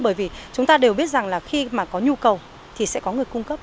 bởi vì chúng ta đều biết rằng là khi mà có nhu cầu thì sẽ có người cung cấp